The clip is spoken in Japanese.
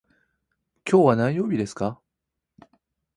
今日は何曜日ですか。